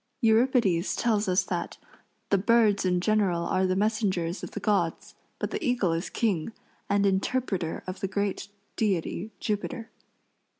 Euripides tells us that "the birds in general are the messengers of the gods, but the eagle is king, and interpreter of the great deity Jupiter."